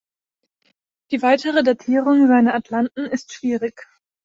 Die weitere Datierung seiner Atlanten ist schwierig.